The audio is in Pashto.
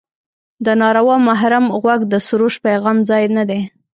د ناروا محرم غوږ د سروش پیغام ځای نه دی.